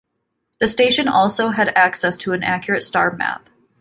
The station also had access to an accurate star map.